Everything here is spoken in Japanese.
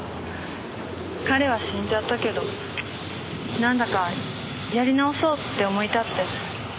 彼は死んじゃったけどなんだかやり直そうって思い立って。